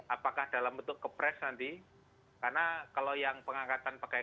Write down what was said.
apakah dalam bentuk kepres nanti karena kalau yang pengangkatan pkkpk kan sk sekjen itu